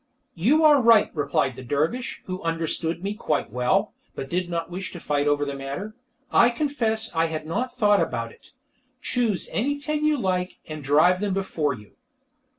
"You are right," replied the dervish, who understood me quite well, but did not wish to fight the matter. "I confess I had not thought about it. Choose any ten you like, and drive them before you."